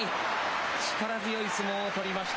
力強い相撲を取りました。